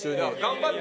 頑張って。